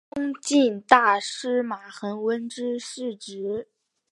东晋大司马桓温之四子。